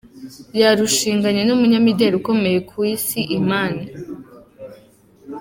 Yarushinganye n’umunyamideli ukomeye ku Isi Iman.